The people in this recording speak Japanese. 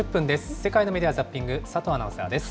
世界のメディア・ザッピング、佐藤アナウンサーです。